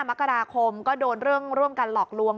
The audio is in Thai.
มกราคมก็โดนเรื่องร่วมกันหลอกลวง